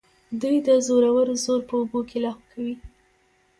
دوی د زورورو زور په اوبو کې لاهو کوي.